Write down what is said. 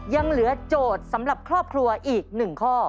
ยังเหลือโจทย์สำหรับครอบครัวอีก๑ข้อ